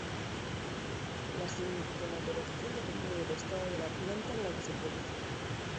La sintomatología depende del estado de la planta en la que se produzca.